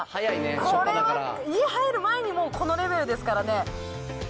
これは家入る前にもうこのレベルですからね。